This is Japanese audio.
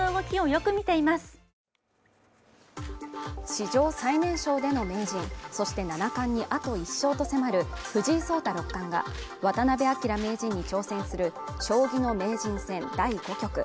史上最年少での名人、そして七冠にあと１勝と迫る藤井聡太六冠が渡辺明名人に挑戦する、将棋の名人戦第５局。